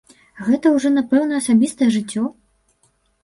Гэта ўжо, напэўна, асабістае жыццё?